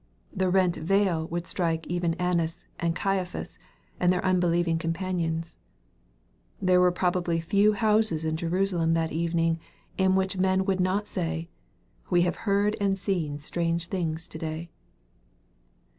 The rent veil would strike even Annas and Caiaphas and their unbelieving companions. There were probably few houses in Jerusalem that evening in which men would not say, " we have heard and seen strange things to day."